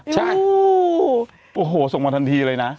ใช่โอ้โหส่งมาทันทีเลยนะ